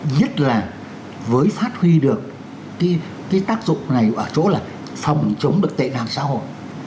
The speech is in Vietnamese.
nhất là với phát huy được cái tác dụng này ở chỗ là phòng chống được tệ nạn xã hội